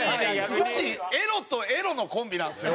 うちエロとエロのコンビなんですよ。